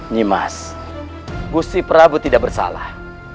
nimas gusi prabu tidak bersalah